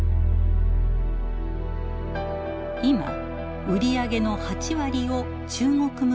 今売り上げの８割を中国向けが占めています。